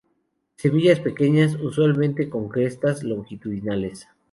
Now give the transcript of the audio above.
Semillas pequeñas, usualmente con crestas longitudinales.